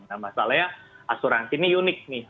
nah masalahnya asuransi ini unik nih